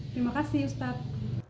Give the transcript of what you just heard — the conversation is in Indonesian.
terima kasih ustadz